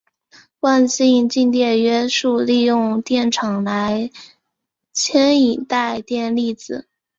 惯性静电约束利用电场来牵引带电粒子。